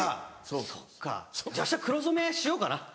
そっかじゃあ明日黒染めしようかな。